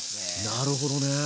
なるほどね。